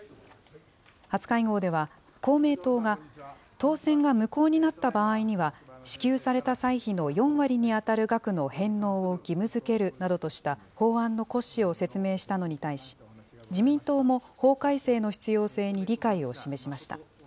初会合では、公明党が当選が無効になった場合には、支給された歳費の４割に当たる額の返納を義務づけるなどとした、法案の骨子を説明したのに対し、自民党も法改正の必要性に理解を示しました。